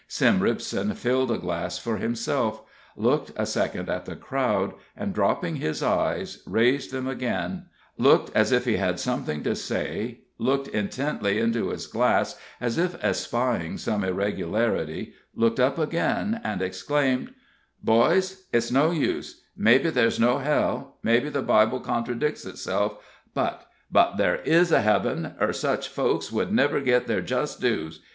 Sim Ripson filled a glass for himself, looked a second at the crowd, and dropping his eyes, raised them again, looked as if he had something to say, looked intently into his glass, as if espying some irregularity, looked up again, and exclaimed: "Boys, it's no use mebbe ther's no hell mebbe the Bible contradicts itself, but but ther is a heaven, or such folks would never git their just dues.